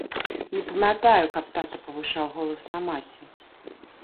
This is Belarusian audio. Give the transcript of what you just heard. Не памятаю, каб тата павышаў голас на маці.